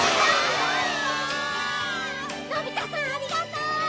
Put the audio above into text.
のび太さんありがとう！